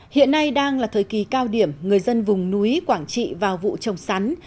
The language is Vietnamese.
hiện nay đang là thời kỳ cao điểm người dân vùng núi quảng trị vào vụ trồng sắn